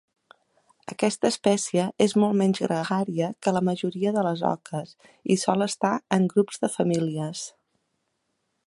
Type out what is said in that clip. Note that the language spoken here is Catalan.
Aquesta espècie és molt menys gregària que la majoria de les oques i sol estar en grups de famílies.